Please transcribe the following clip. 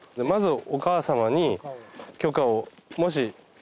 まずお母様に許可を。